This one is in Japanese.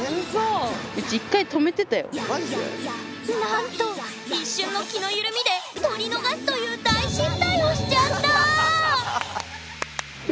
なんと一瞬の気の緩みで撮り逃すという大失態をしちゃった！